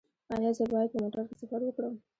ایا زه باید په موټر کې سفر وکړم؟